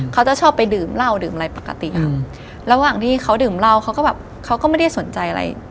เขาจะชอบไปดื่มเหล้าดื่มอะไรปกติค่ะระหว่างที่เขาดื่มเหล้าเขาก็แบบเขาก็ไม่ได้สนใจอะไร